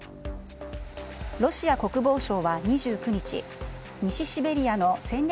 ロシア国防省は２９日西シベリアの戦略